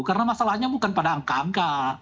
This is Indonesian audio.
karena masalahnya bukan pada angka angka